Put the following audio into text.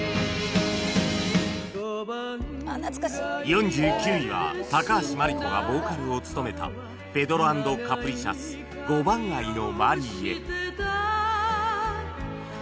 ４９位は橋真梨子がボーカルを務めたペドロ＆カプリシャス『五番街のマリーへ』